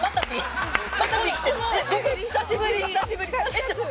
久しぶり。